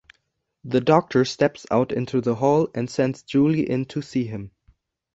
The doctor steps out into the hall and sends Julie in to see him.